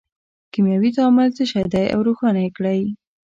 کیمیاوي تعامل څه شی دی او روښانه یې کړئ.